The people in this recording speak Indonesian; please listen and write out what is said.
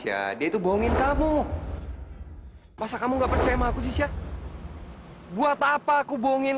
ya dia itu bohongin kamu masa kamu gak percaya sama aku sih chef buat apa aku bohongin